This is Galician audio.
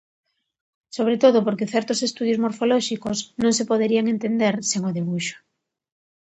Sobre todo porque certos estudos morfolóxicos non se poderían entender sen o debuxo.